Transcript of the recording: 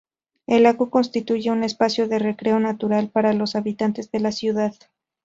El lago constituye un espacio de recreo natural para los habitantes de la ciudad.